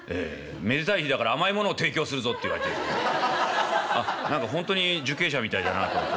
「めでたい日だから甘いものを提供するぞ」って言われてあ何かほんとに受刑者みたいだなと思って。